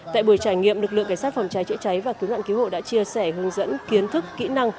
tại buổi trải nghiệm lực lượng cảnh sát phòng cháy chữa cháy và cứu nạn cứu hộ đã chia sẻ hướng dẫn kiến thức kỹ năng